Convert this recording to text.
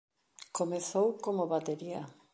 Comezou como batería.